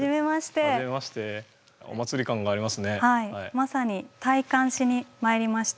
まさに体感しに参りました。